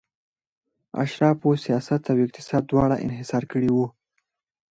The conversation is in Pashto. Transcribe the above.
اشرافو سیاست او اقتصاد دواړه انحصار کړي وو.